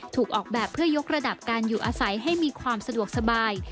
ถูกออกแบบเพื่อยกระดับการอยู่อาศัยให้มีความสะดวกสบาย